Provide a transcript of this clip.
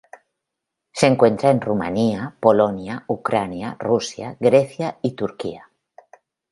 Se encuentra en Rumanía, Polonia, Ucrania, Rusia, Grecia y Turquía.